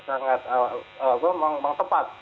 sangat gue memang tepat